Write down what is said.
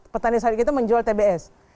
petani swadaya itu menjual tbs